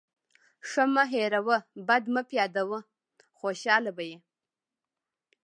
ښه مه هېروه، بد مه پیاده وه. خوشحاله به يې.